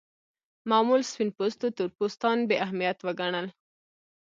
معمول سپین پوستو تور پوستان بې اهمیت وګڼل.